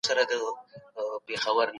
ایا د غنمو د اوړو پر ځای د جوار اوړه صحي دي؟